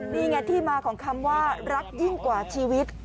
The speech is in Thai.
นี่ไงที่มาของคำว่ารักยิ่งกว่าชีวิต